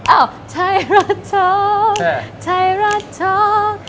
อ้าวไทรัฐธรรมไทรัฐธรรม